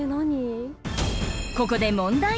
ここで問題